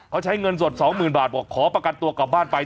เขาใช้เงินสด๒๐๐๐บาทบอกขอประกันตัวกลับบ้านไป